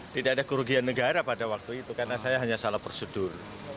tidak ada kerugian negara pada waktu itu karena saya hanya salah prosedur